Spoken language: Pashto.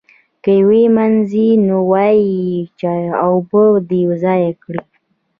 که یې ومینځي نو وایي یې چې اوبه دې ضایع کړې.